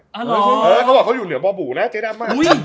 เขาบอกเขาอยู่เหนือบ่อบูนะเจ๊ดำอ่ะ